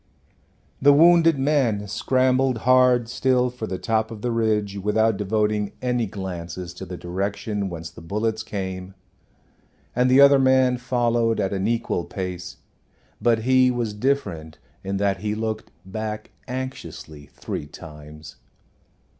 The wounded man scrambled hard still for the top of the ridge without devoting any glances to the direction whence the bullets came, and the other man followed at an equal pace; but he was different, in that he looked back anxiously three times.